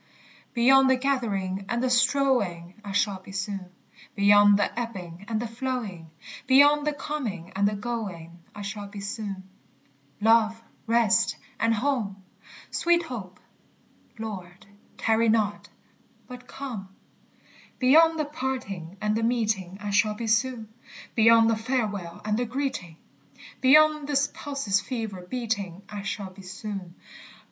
Beyond the gathering and the strowing I shall be soon; Beyond the ebbing and the flowing. Beyond the coming and the going, I shall be soon. Love, rest, and home! etc. Beyond the parting and the meeting I shall be soon; Beyond the farewell and the greeting, Beyond this pulse's fever beating, I shall be soon.